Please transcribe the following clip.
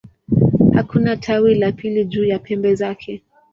Hakuna tawi la pili juu ya pembe zake.